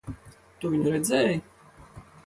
Tu viņu redzēji?